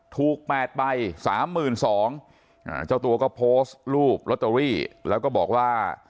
ถูกแปดใบสามหมื่นสองอ่าเจ้าตัวก็โพสต์รูปแล้วก็บอกว่า